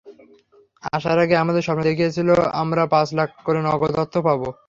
আসার আগে আমাদের স্বপ্ন দেখিয়েছিল, আমরা পাঁচ লাখ করে নগদ অর্থ পাব।